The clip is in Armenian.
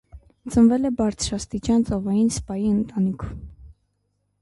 Ծնվել է բարձրաստիճան ծովային սպայի ընտանիքում։